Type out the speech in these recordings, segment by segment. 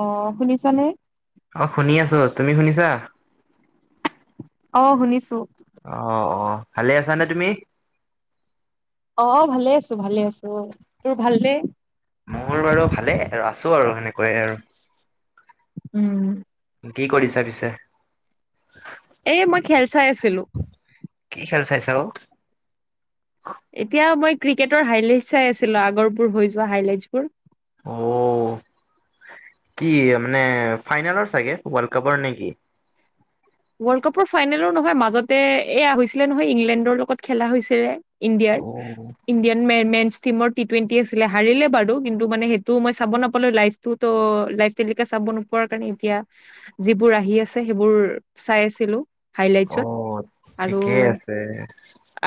অ শুনিছা নে অ শুনি আছো তুমি শুনিছা অ শুনিছো অ অ ভালে আছানে তুমি অ ভালে আছো ভালে আছো তোৰ ভাল নে মোৰ বাৰু ভালেই আৰু আছো আৰু সেনেকৈয়ে আৰু উম' কি কৰিছা পিছে এ মই খেল চাই আছিলোঁ। কি খেল চাইছা অ? এতিয়া মই ক্ৰিকেটৰ হাইলাইট চাই আছিলোঁ আগৰবোৰ হৈ যোৱা হাইলাইটচ বোৰ। অ কি মানে ফাইনেলৰ চাগে ৱৰ্ল্ড কাপৰ নেকি ৱৰ্ল্ড কাপৰ ফাইনেলো নহয়, মাজতে এয়া হৈছিলে নহয় ইংলেণ্ডৰ লগত খেলা হৈছে যে ইণ্ডিয়াৰ অ ইণ্ডিয়ান মে মেছ টীম ৰ টি টুৱেন্টি আছিলে সৰিলে বাৰু কিন্তু মানে সেইটো মই চাব নাপালোঁ লাইভ টোত লাইভ তেলিকা চাব নোপোৱাৰ কাৰণে এতিয়া যিবোৰ আহি আছে সেইবোৰ চাই আছিলোঁ। অ হাইলাইটছত আৰু ঠিকেই আছে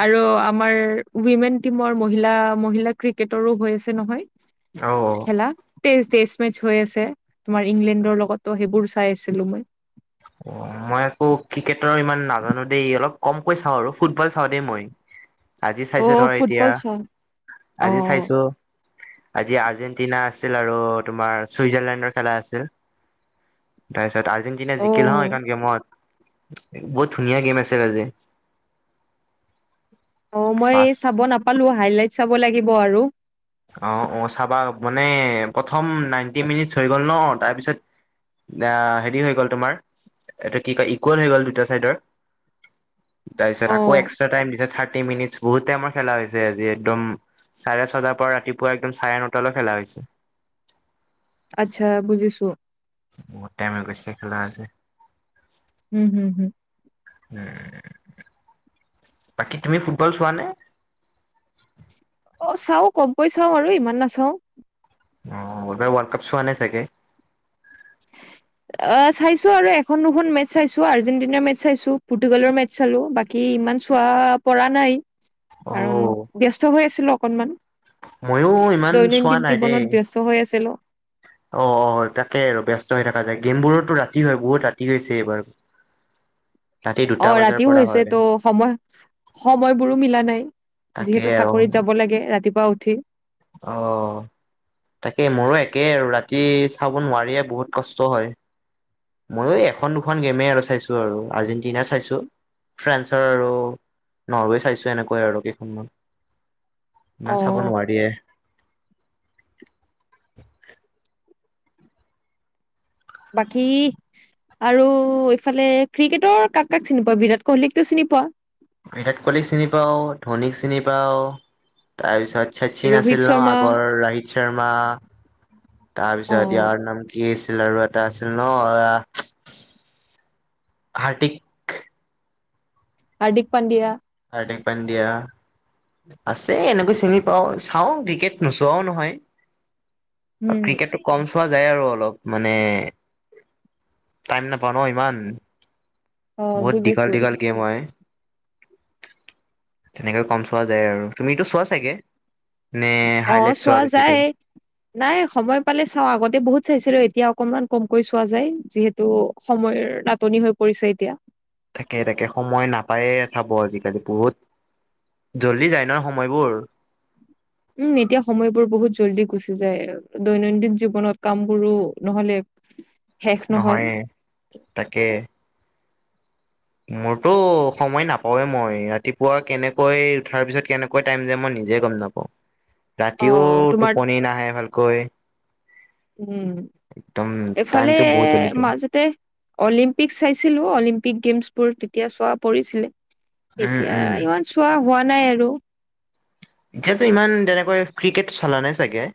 আৰু আমাৰ উইমেন টিমৰ মহিলা, মহিলা ক্ৰিকেটৰো হৈ আছে নহয় অ অ লা তেইছ ডেচ মেচ হৈ আছে তোমাৰ ইংলেণ্ডৰ লগতো সেইবোৰ চাই আছিলোঁ মই। অ মই আকৌ ক্ৰিকেটৰ ইমান নাজানো দেই অলপ কমকৈ চাওঁ আৰু ফুটবল চাওঁ দেই মই আজি চাইছো অ' ধৰ এতিয়া ফুটবল চোৱা আজি অ' চাইছো আজি আৰ্জেণ্টিনা আছিল আৰু তোমাৰ চুইজাৰলেণ্ডৰ খেলা আছিল তাৰপিছত আৰ্জেণ্টিনা জিকিল হয় অ' এইখন গেমত বহুত ধুনীয়া গেম আছিল আজি অ মই ফাৰ্ষ্ট চাব নাপালো হাইলাইট চাব লাগিব আৰু অ অ চাবা মানে প্ৰথম নাইনটি মিনিটচ হৈ গ'ল ন তাৰপিছত অ হেৰি হৈ গ'ল তোমাৰ এইটো কি কয় ইকুৱেল হৈ গ'ল দুটা চাইডৰ [inaudible] তাৰপিছত আকৌ অ' এক্সট্ৰা টাইম দিছে থাৰ্টি মিনিটছ বহুত টাইমৰ খেলা হৈছে আজি একদম চাৰে ছটা পৰা ৰাতিপুৱা একদম চাৰে নটালৈ খেলা হৈছে আচ্ছা বুজিছো বহুত টাইম হৈ গৈছে খেলা আজি উম হুম হুম উম বাকী তুমি ফুটবল চোৱা নে? অ চাও কমকৈ চাওঁ আৰু ইমান নাচাও অ ৱৰ্ল্ড কাপ চোৱা নাই চাগে অ চাইছো, আৰু এখন দুখন মেচ চাইছো আৰ্জেণ্টিনাৰ মেচ চাইছো পুৰ্টুগালৰ মেচ। চালো বাকী ইমান চোৱা পৰা নাই, অ কাৰণ ব্যস্ত হৈ আছিলো অকনমান। ময়ো ইমান চোৱা দৈনন্দিন জীৱনত ব্যস্ত হৈ আছিলো। অঁ, অঁ তাকে আৰু ব্যস্ত হৈ থকা যায়। গেম বোৰতো ৰাতি হয় বহুত ৰাতি হৈছে এইবাৰ। [unintelligible] দুটা অঁ, বজাৰ ৰাতিও পৰা হয় হৈছে ত' সময় সময়বোৰো মিলা নাই, তাকে যিহেতু আৰু চাকৰিত যাব লাগে ৰাতিপুৱা উঠি অঁ তাকে মোৰো একেই আৰু ৰাতি চাব নোৱাৰিয়ে বহুত কষ্ট হয়। ময়ো এখন দুখন গেমেই আৰু চাইছো আৰু আৰ্জেণ্টিনাৰ চাইছো। ফ্ৰেন্সৰ আৰু নৰৱে চাইছো এনেকুৱাই আৰু কেইখনমান। অ ইমান চাব নোৱাৰিয়ে। বাকী আৰু এইফালে ক্ৰিকেটৰ কাক কাক চিনি পোৱা? বিৰাট কোহলিকটো চিনি পোৱা। বিৰাট কোহলি চিনি পাও, ধনীক চিনি পাওঁ। তাৰপিছত শচচীন ৰোহিত আছিল ন শৰ্মা আগৰ ৰাহিত শৰ্মা। অ তাৰপিছত ইয়াৰ নাম কি আছিল আৰু এট টা আছিল আ, ন হাৰ্টিক। হাৰ্দিক পাণ্ডিয়া। হাৰ্দিক পাণ্ডিয়া। আছে এনেকৈ চিনি পাওঁ। চাওঁ ক্ৰিকেট নোচোৱাও নহয়। উম ক্ৰিকেট টো কম চোৱা যায় আৰু অলপ মানে, টাইম নাপাওঁ ন ইমান। অ বহুত দীঘল বুজিছো দীঘল গেম হয়। তেনেকৈ কম চোৱা যায় আৰু তুমিটো চোৱা চাগে? নে অঁ, হাইলাইট চোৱা বেছিকৈ যায়। নাই সময় পালে চাওঁ। আগতে বহুত চাইছিলো, এতিয়া অকনমান কমকৈ চোৱা যায় যিহেত হেটো সময়ৰ নাটনি হৈ পৰিছে এতিয়া। তাকে তাকেই সময় নাপায়ে চাব আজিকালি বহুত জল্দি যায় ন সময়বোৰ। উম এতিয়া সময়বোৰ বহুত জল্দি গুচি যায়। দৈনন্দিন জীৱনত কাম বোৰো নহ'লে শেষ নহয় নহয়ে তাকে। মোৰতো সময় নাপাওৱে মই। ৰাতিপুৱা কেনেকৈ উঠাৰ পিছত কেনেকৈ টাইম যায় মই নিজে গ'ম নাপাওঁ। অ ৰাতিও তোমাৰ টোপনি নাহে ভালকৈ। উম, একদম এফালে টাইমটো বহুত জল্দি যায় মাজতে অলিম্পিক চাইছিলো, অলিম্পিক গেমছবোৰ তেতিয়া চোৱা পৰিছিলে। উম এতিয়া উম ইমান চোৱা হোৱা নাই আৰু। এতিয়াতো ইমান তেনেকৈ ক্ৰিকেট চলা নাই চাগে?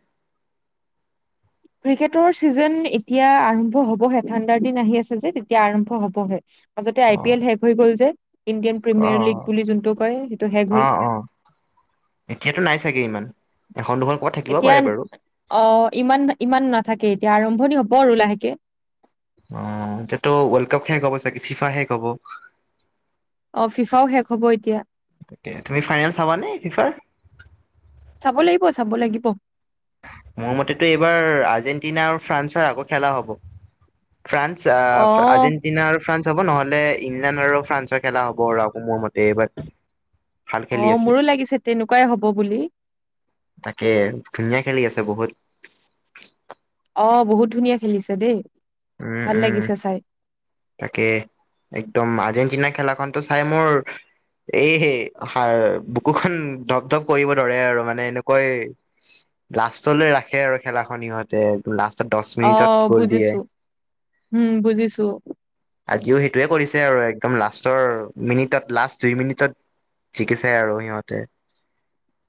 ক্ৰিকেটৰ ছিজেন এতিয়া আৰম্ভ হ'বহে। ঠাণ্ডাৰ দিন আহি আছে যে, তেতিয়া আৰম্ভ হ'বহে। মাজতে অ আই পি এল শেষ হৈ গ'ল যে, ইণ্ডিয়ান অ প্ৰিমিয়াৰ লীগ বুলি যোনটো কয় সেইটো শেষ অ হ'ল। অ এতিয়াতো নাই চাগে ইমান। এখন দুখন ক'বাত থাকিব এতিয়া পাৰে বাৰু অঁ, ইমান ইমান নাথাকে, এতিয়া আৰম্ভণি হ'ব আৰু লাহেকে। অঁ, এতিয়াতো ৱৰ্ল্ড কাপ শেষ হ'ব চাগে, ফিফা শেষ হব। অ ফিফাও শেষ হ'ব এতিয়া তুমি ফাইনেল চাবা নে ফিফাৰ? চাব লাগিব, চাব লাগিব। মোৰ মতেতো এইবাৰ আৰ্জেণ্টিনা আৰু ফ্ৰান্সৰ আকৌ খেলা হ'ব। ফ্ৰান্স- আচ্ছা অ আজিন আৰ্জে্টিনা আৰু ফ্ৰান্স হ'ব নহ'লে ইংলেণ্ড আৰু ফ্ৰান্সৰ খেলা হ'ব আৰু আকৌ মোৰ মতে। ভাল অ‌ খেলি আছে মোৰো লাগিছে তেনেকুৱাই হ'ব বুলি। তাকে ধুনীয়া খেলি আছে বহুত। অঁ বহুত ধুনীয়া খেলিছে দেই উম ভাল উম লাগিছে চাই। তাকে, একদম আৰ্জেণ্টিনাৰ খেলাখনতো চাই মোৰ এই হেই হাড় বুকুখন ধঢপ ধপ কৰিব ধৰে আৰু মানে এনেকুৱাই লাষ্টলৈ ৰাখে আৰু খেলাখন সিহঁতে লাষ্টত দশ অ মিনিটত গ'ল বুজিছো দিয়ে। উম বুজিছো। আজিও সেইটোৱে কৰিছে আৰু একদম লাষ্টৰ মিনিটত লাষ্ট দুই মিনিটত জিকিছে আৰু সিহঁতে।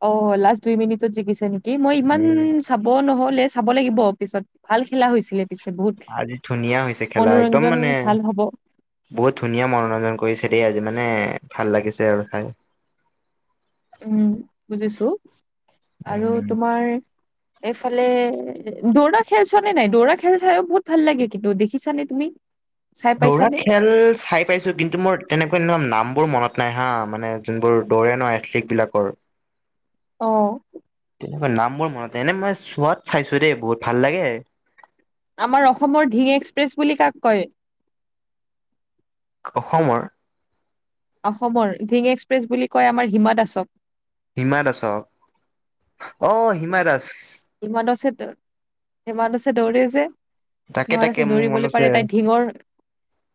অ লাষ্ট দুই মিনিটত জিকিছে নেকি, মই ইমান উম চাব নহলে চাব লাগিব অ পিছত। ভাল খেলা হৈছিলে পিছে বহুত আজি ধুনীয়া হৈছে খেলা একদম মনোৰঞ্জন মানে ভাল হ'ব। বহুত ধুনীয়া মনোৰঞ্জন কৰিছে দেই আজি মানে ভাল লাগিছে আৰু চাই। উম বুজিছো, আৰু উম তোমাৰ এইফালে দৌৰা খেল চোৱা নে নাই, দৌৰা খেল চাইও বহুত ভাল লাগে কিন্তু দেখিছা নে তুমি। চাই দৌৰা পাইছানে? খেল চাই পাইছো কিন্তু মোৰ তেনেকুৱা নাম বোৰ মনত নাই হা মানে যোনবোৰ দৌৰে ন এথলিকট বিলাকৰ। [inaudible] অঁ তেনেকুৱা নামবোৰ মনতে এনে মই চোৱাত চাইছো দেই বহুত ভাল লাগে। আমাৰ অসমৰ ঢিঙ এক্সপ্ৰেছ বুলি কাক কয়। অসমৰ। অসমৰ ঢিং এক্সপ্ৰেছ বুলি কয় আমাৰ হিমা দাসক। হিমা দাসক অ হিমা দাস। হিমা দাসে ত সিমা দাসে দৌৰে যে, তাকে সিমা তাকে দাস মোৰ মনত দৌৰিবলৈ আছে পাৰে তাইৰ ধিঙৰ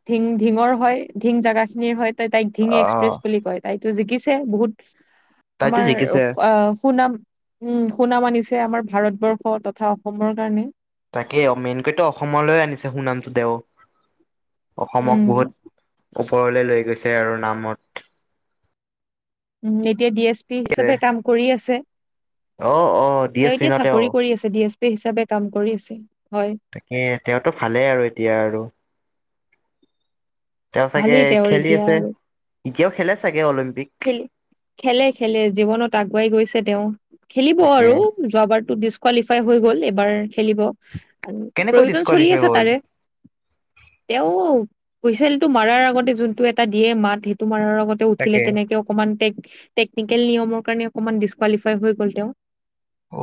ঢিঙ ঢিঙৰ হয় ঢিঙ জাগা খিনিৰ হয়। তাইক তাইক ঢিঙ আহ এক্সপ্ৰেছ বুলি কয় তাইতো জিকিছে বহুত, তাইতো আমাৰ জিকিছে সুনাম উম সুনাম আনিছে আমাৰ ভাৰতবৰ্ষ তথা অসমৰ কাৰণে। তাকেই মেইনকৈতো অসমলৈ আনিছে সুনামটো তেওঁ, অসমক উম বহুত ওপৰলে লৈ গৈছে আৰু নামত। উম, এতিয়া ডি এছ পি হিচাপে কাম কৰি আছে, অ অ ডি তেওঁ এছ এতিয়া মিনতে অ চাকৰি কৰি আছে। ডি এছ পি হিচাপে কাম কৰি আছে হয়। তাকে তেওঁতো ভালেই আৰু এতিয়া আৰু। তেওঁ চাগে ভালেই তেওঁৰ খেলি এতিয়া আছে, আৰু এতিয়াও খেলে চাগে অলিম্পিক। খেল খেলে খেলে জীৱনত আগুৱাই গৈছে তেওঁ খেলিব তাকে আৰু। যোৱাবাৰতো ডিচকুৱালিফাই হৈ গ'ল এবাৰ খেলিব, আৰু কেনেকৈ প্ৰয়োজন চলি ডিচকুৱালিফাই আছে তাৰে। [inaudible] তেওঁ হুইচলটো মাৰাৰ আগতে যোনটো এটা দিয়ে, মাত সেইটো মাৰাৰ আগত তেওঁ উঠিলে তাকে তেনেকে অকমান টেকনিকেল নিয়মৰ কাৰণে অকমান ডিচকুৱালিফাই হৈ গ'ল তেওঁ। অ,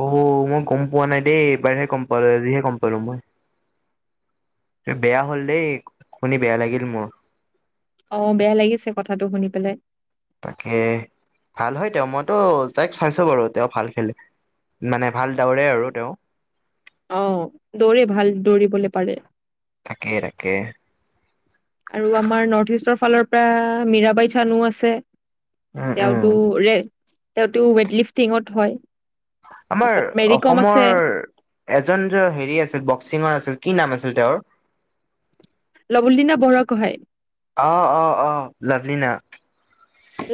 মই গম পোৱা নাই দেই এইবাৰহে গম পালো আজিহে গম পালোঁ মই। বেয়া হল দেই, শুনি বেয়া লাগিল মোৰ। অঁ, বেয়া লাগিছে কথাটো শুনি পেলাই। তাকে ভাল হয় তেওঁ, মইতো তাইক চাইছো বাৰু তেওঁ ভাল খেলে। মানে ভাল ডাৱৰে আৰু তেওঁ অ, দৌৰে ভাল দৌৰিবলে পাৰে থাকে-থাকে আৰু আমাৰ নৰ্থ ইষ্টৰ ফালৰ পৰা মীৰাবাই চানো আছে উম উম। তেওঁতো ৰে তেওঁটো ৱেইট লিফটিঙত হয় আমাৰ তাৰপিছত মেৰি কম আছে অসমৰ এজন যে হেৰি আছিল বক্সিঙৰ আছিল কি নাম আছিল তেওঁৰ লভলীনা বঢ়াগোঁহাই অ অ অ লাভলীনা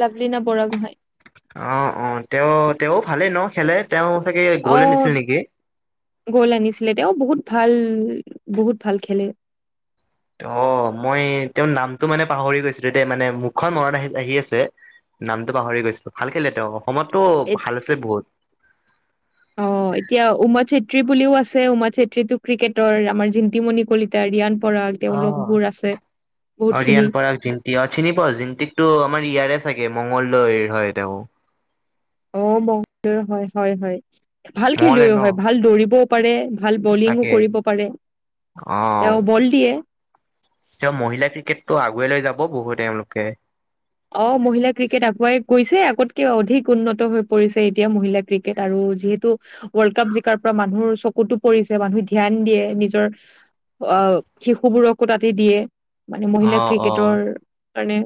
লাভলিনা বৰাগোহাঁই অ অ তেওঁ তেও ভালেই ন খেলে তেওঁ চাগে গ'ল্ড আনিছিল নেকি গ'ল্ড আনিছিলে তেওঁ বহুত ভাল বহুত ভাল খেলে অ মই তেওঁৰ নামটো মানে পাহৰি গৈছিলো দেই মানে মুখখনত মনত আহি আহি আছে নামটো পাহৰি গৈছো ভাল খেলে তেওঁ অসমতো ভাল আছে বহুত অ এতিয়া উমা চেত্ৰী বুলিও আছে উমা চেত্ৰী ক্ৰিকেটৰ আমাৰ জিন্তিমণি কলিতা এতিয়া ৰিয়ান পৰাগ তেওঁলোক অ' বোৰ আছে, বহুত খিনি তিৱাক চিনি পোৱা জিনটি তো আমাৰ ইয়াৰে চাগে মঙংগলদৈৰ হয় তেওঁ অ বং হয় হয় হয় ভাল খেলুৱৈ মঙলদৈৰ ন হয় ভাল দৌৰিব পাৰে ভাল বলিঙো তাকে। কৰিব পাৰে, অ', তেওঁ বল দিয়ে তেওঁ মহিলা ক্ৰিকেটটো আগুৱাই লৈ যাব বহু এওঁলোকে অ মহিলা ক্ৰিকেট আগুৱাই গৈছে আগতকে অধিক উন্নত হৈ পৰিছে এতিয়া মহিলা ক্ৰিকেটা আৰু যিহেতু ৱৰ্ল্ড কাপ জিকাৰ পৰা মানুহৰ চকুতো পৰিছে মানুহ ধ্যান দিয়ে নিজৰ অ শিশুবোৰকো তাতে দিয়ে মানে মহিলা অ', অ', ক্ৰিকেটৰ কাৰণে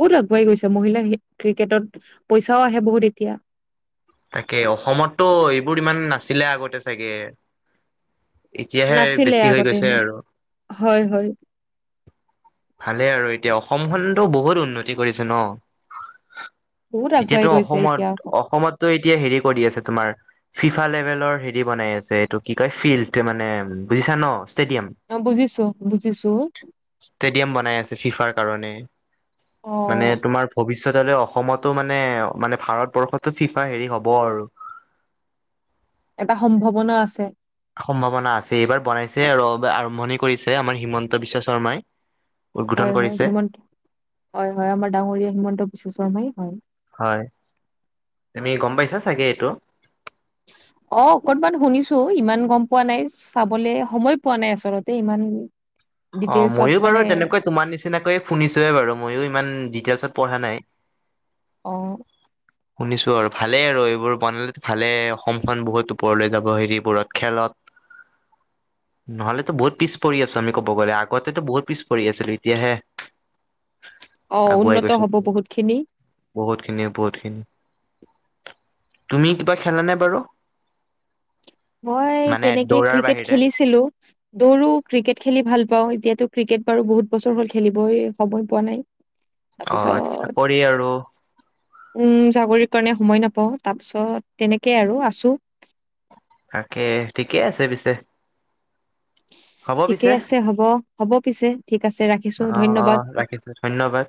বহুত আগুৱাই গৈছে, মহিলা ক্ৰিকেটত পইচাও আহে বহুত এতিয়া তাকে অসমততো এইবোৰ ইমান নাছিলে আগতে চাগে এতিয়াহে নাছিলে বেছি হৈ আগতে গৈছে ইমান আৰু হয় হয় ভালে আৰু এতিয়া অসমখনতো বহুত উন্নতি কৰিছে ন বহুত আগুৱাই এতিয়াতো গৈছে অসমত এতিয়া আকৌ। অসমতটো এতিয়া হেৰি কৰি আছে তোমাৰ ফিফা লেভেলৰ হেৰি বনাই আছে এইটো কি কয় ফিল্ড মানে বুজিছা ন ষ্টেডিয়াম অ বুজিছো বুজিছো ষ্টেডিয়াম বনাই আছে ফিফাৰ কাৰণে অ মানে তোমাৰ ভৱিষ পিছত হলে অসমতো মানে মানে ভাৰতবৰ্ষতো ফিফা হেৰি হ'ব আৰু এটা সম্ভাৱনা আছে সম্ভাৱনা আছে এইবাৰ বনাইছে আৰু আৰম্ভণি কৰিছে আমাৰ হিমন্ত বিশ্ব শৰ্মাই উদ্বোধন হয় হয় কৰিছে হিমন্ত হয় হয় আমাৰ ডাঙৰীয়া হিমন্ত বিশ্ব শৰ্মাই হয় হয় তুমি গ'ম পাইছা চাগে এইটো অ অকনমান শুনিছোঁ ইমান গম পোৱা নাই চাবলে সময় পোৱা নাই আচলতে ইমান অ ডিটেইলছত ময়ো মানে বাৰু তেনেকৈ তোমাৰ নিচিনাকৈয়ে শুনিছোহে বাৰু মইয়ো ইমান ডিটেইলছত পঢ়া নাই। অঁ [unintelligible] শুনিছো আৰু ভালেই আৰু এইবোৰ বনালে ভালেই অসমখন বহুত ওপৰলৈ যাব হেৰিবোৰত খেলত নহলেতো বহুত পিছ পৰি আছো আমি ক'ব গ'লে আগতেতো বহুত পিছ পৰি আছিলোঁ এতিয়াহে অ আগুৱাই উন্নত গৈছো। হ'ব বহুত খিনি বহুত খিনিয়ে বহুত খিনি তুমি কিবা খেলা নে বাৰু। মই মানে তেনেকে দৌৰাৰ ক্ৰিকেট বাহিৰে খেলিছিলোঁ। দৌৰো ক্ৰিকেট খেলি ভাল পাওঁ এতিয়াাতো ক্ৰিকেট বাৰু বহুত বছৰ হ'ল খেলিবই সময় পোৱা নাই। অ চাকৰি তাৰপিছত। আৰু উম, চাকৰি কাৰণে সময় নাপাওঁ তাৰপিছত তেনেকেই আৰু আছোঁ। তাকে ঠিকে আছে পিছে। হ'ব ঠিকে পিছে আছে হ'ব হ'ব পিছে ঠিক আছে ৰাখিছো অ অ ধন্যবাদ। ৰাখিছো। ধন্যবাদ।